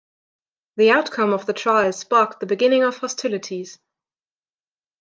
The outcome of the trial sparked the beginning of hostilities.